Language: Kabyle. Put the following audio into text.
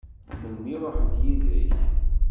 Melmi i ṛuḥent yid-k?